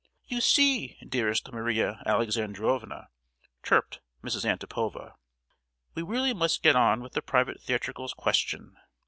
"You see, dearest Maria Alexandrovna," chirped Mrs. Antipova, "we really must get on with the private theatricals question!